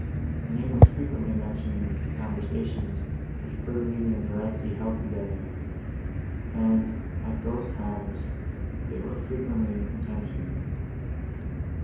Her name was frequently mentioned in the conversations, which Bertolini and Verezzi held together, and, at those times, they were frequently in contention.